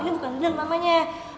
ini bukan dinner mamanya